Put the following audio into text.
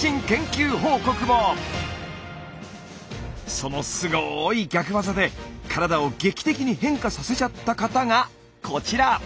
そのすごい逆ワザで体を劇的に変化させちゃった方がこちら。